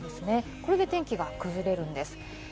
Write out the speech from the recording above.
これで天気が崩れるんです。